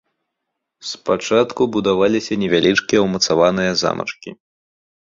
Спачатку будаваліся невялічкія ўмацаваныя замачкі.